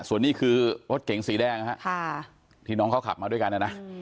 ส่วนนี้คือรถเก๋งสีแดงนะฮะที่น้องเขาขับมาด้วยกันนะนะ